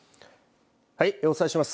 はい、お伝えします。